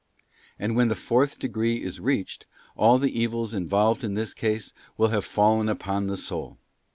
And when the fourth degree is reached, all the evils involved in this case will have fallen upon the ~ soul.